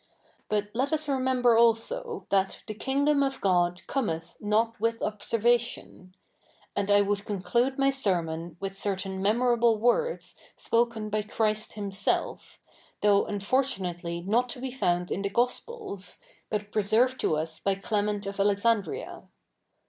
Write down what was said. But let us remember also that " the Kingdom of God co7neth not with observation ;" and L would conclude my sermon with certain 7nemorable words spoken by Christ LLimself, though unfoi'tu?iately not to be found in the Gospels, but preserved to us by Clement of Alexa?idria.